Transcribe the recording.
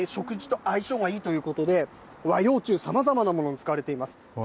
食事と相性がいいということで、和洋中、さまざまなものに使われています。